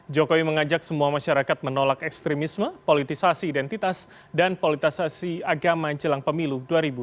jokowi mengajak semua masyarakat menolak ekstremisme politisasi identitas dan politisasi agama jelang pemilu dua ribu dua puluh